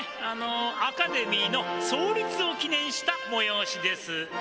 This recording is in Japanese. あのアカデミーの創立を記念したもよおしです。